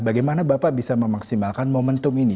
bagaimana bapak bisa memaksimalkan momentum ini